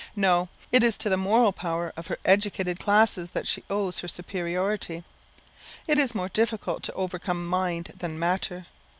No, it is to the moral power of her educated classes that she owes her superiority. It is more difficult to overcome mind than matter.